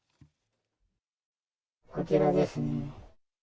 こちらですね。